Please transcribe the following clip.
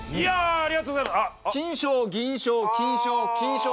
ありがとうございます！